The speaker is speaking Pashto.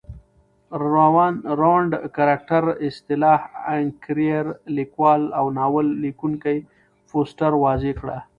رونډ کرکټراصطلاح انکرېرلیکوال اوناول لیکوونکي فوسټر واضع کړه.